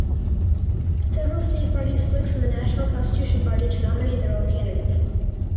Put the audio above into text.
Several state parties split from the national Constitution Party to nominate their own candidates.